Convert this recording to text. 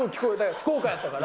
福岡だったから。